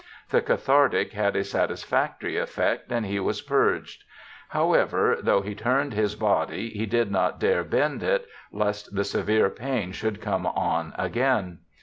The cathartic had a satis factory effect and he was purged. However, though he turned his body, he did not dare bend it, lest the severe pain should come on again.